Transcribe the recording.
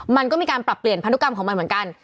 มันก็มีการปรับเปลี่ยนพันธุกรรมของมันเหมือนกัน